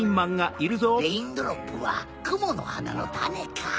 レインドロップはくものはなのタネか。